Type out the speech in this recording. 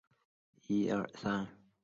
该线废除前废除的路线则以该时为准。